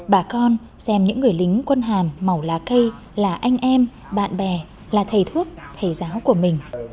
bà con xem những người lính quân hàm màu lá cây là anh em bạn bè là thầy thuốc thầy giáo của mình